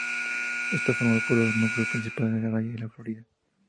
Está formado por los núcleos principales de Araya y La Florida.